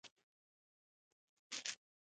د عدالت مفکوره هم له باور جوړېږي.